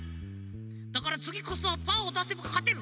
だからつぎこそはパーをだせばかてる。